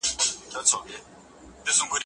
موټر چلونکي په خپلو سترګو کې د خوب غلبه حس کړه.